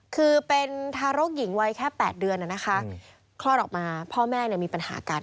คือเป็นทารกหญิงวัยแค่๘เดือนนะคะคลอดออกมาพ่อแม่มีปัญหากัน